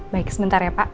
baik sebentar ya pak